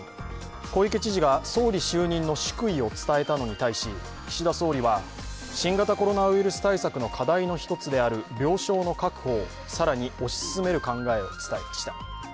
小池知事が総理就任の祝意を伝えたのに対し、岸田総理は、新型コロナウイルス対策の課題の一つである病床の確保を更に推し進める考えを伝えました。